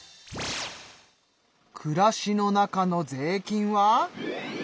暮らしの中の税金は。